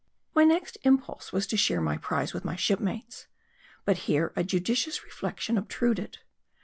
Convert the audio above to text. My next impulse was to share my prize with my shipmates. But here a judicious reflec tion obtruded.